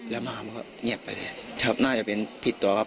แล้วมามันก็เงียบไปเลยครับน่าจะเป็นผิดตัวครับ